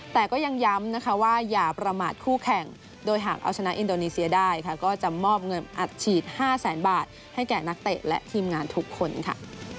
แต่ก็ยังย้ำนะคะว่าอย่าประมาทคู่แข่งโดยหากเอาชนะอินโดนีเซียได้ค่ะก็จะมอบเงินอัดฉีด๕แสนบาทให้แก่นักเตะและทีมงานทุกคนค่ะ